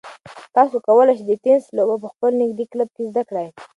تاسو کولای شئ چې د تېنس لوبه په خپل نږدې کلب کې زده کړئ.